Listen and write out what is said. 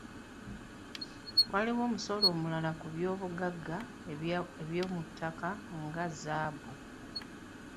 Waliwo omusolo omulala ku by’obugagga eby’omuttaka nga zzaabu.